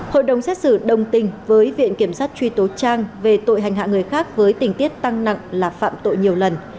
hội đồng xét xử đồng tình với viện kiểm sát truy tố trang về tội hành hạ người khác với tình tiết tăng nặng là phạm tội nhiều lần